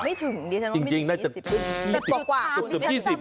ไม่ถึงจริงน่าจะมียี่สิบ